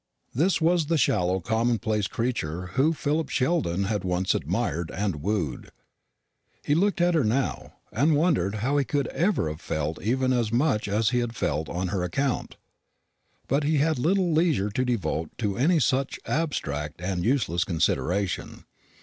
This was the shallow commonplace creature whom Philip Sheldon had once admired and wooed. He looked at her now, and wondered how he could ever have felt even as much as he had felt on her account. But he had little leisure to devote to any such abstract and useless consideration.